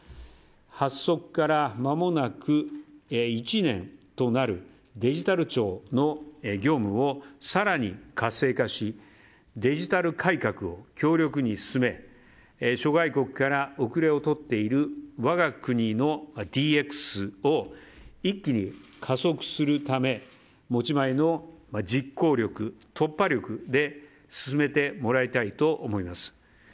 発足から、まもなく１年となるデジタル庁の業務を更に活性化しデジタル改革を強力に進め諸外国から後れを取っている我が国のＤＸを一気に加速するため持ち前の実行力突破力で進めてもらいたいと思います。